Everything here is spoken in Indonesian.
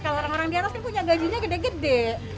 kalau orang orang di atas kan punya gajinya gede gede